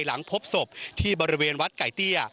หลังพบศพที่บริเวณวัดไก่เตี้ย